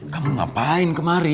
kamu ngapain kemari